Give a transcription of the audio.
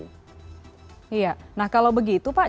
iya nah kalau begitu pak